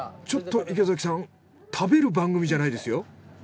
ちょっと池崎さん食べる番組じゃないですよ。